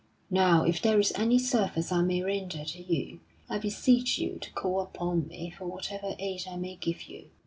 Now if there is any service I may render to you, I beseech you to call upon me for whatever aid I may give you."